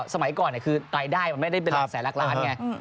สมัยก่อนคือรายได้มันไม่ได้เป็นหลักแสนหลักล้านไง